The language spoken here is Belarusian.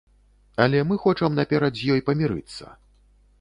Але мы хочам наперад з ёй памірыцца!